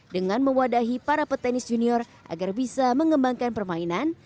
dengan mewadahi para petenis junior agar bisa mengembangkan permainan